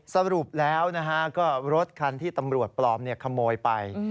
สรุปแล้วก็รถคันที่ตำรวจปลอมขโมยไป